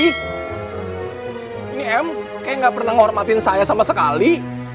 ini em kayak gak pernah nghormatin saya sama sekali